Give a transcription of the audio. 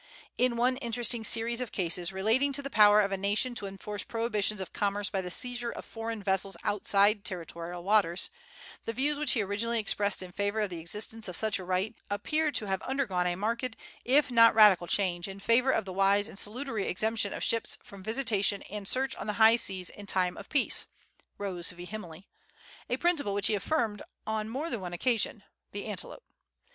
In one interesting series of cases, relating to the power of a nation to enforce prohibitions of commerce by the seizure of foreign vessels outside territorial waters, the views which he originally expressed in favor of the existence of such a right appear to have undergone a marked, if not radical, change, in favor of the wise and salutary exemption of ships from visitation and search on the high seas in time of peace (Rose v. Himely), a principle which he affirmed on more than one occasion (The Antelope).